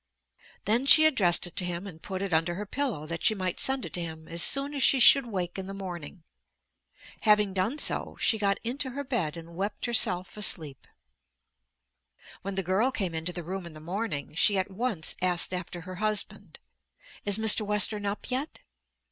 Then she addressed it to him and put it under her pillow that she might send it to him as soon as she should wake in the morning. Having done so she got into her bed and wept herself asleep. When the girl came into the room in the morning she at once asked after her husband. "Is Mr. Western up yet?"